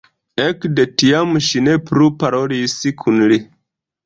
Ekde tiam ŝi ne plu parolis kun li.